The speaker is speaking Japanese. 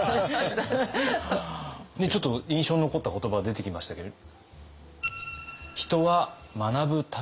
ちょっと印象に残った言葉出てきましたけど。